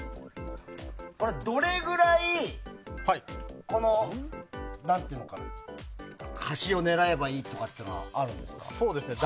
どれぐらい端を狙えばいいとかっていうのはあるんですか。